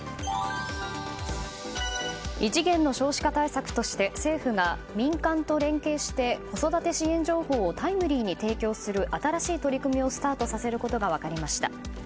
異次元の少子化対策として政府が民間と連携して子育て支援情報をタイムリーに提供する新しい取り組みをスタートさせることが分かりました。